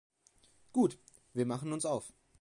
Gut, wir machen uns auf.